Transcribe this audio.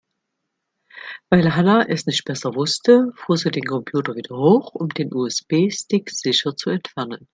Weil Hanna es nicht besser wusste, fuhr sie den Computer wieder hoch, um den USB-Stick sicher zu entfernen.